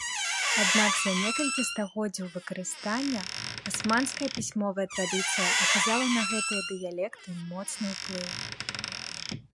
Аднак за некалькі стагоддзяў выкарыстання асманская пісьмовая традыцыя аказала на гэтыя дыялекты моцны ўплыў.